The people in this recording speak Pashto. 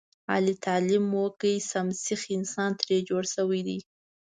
علي تعلیم وکړ سم سیخ انسان ترې جوړ شوی دی.